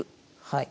はい。